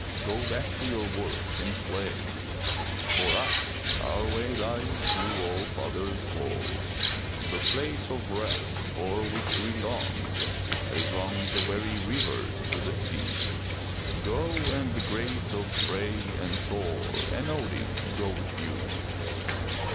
Go back to your work and play. For us, our way lies to All father's halls, — the place of rest, for which we long as long the weary rivers for the sea. Go, and the grace of Frey and Thor and Odin go with you.